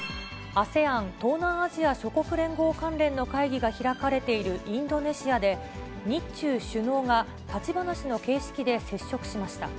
ＡＳＥＡＮ・東南アジア諸国連合関連の会議が開かれているインドネシアで、日中首脳が立ち話の形式で接触しました。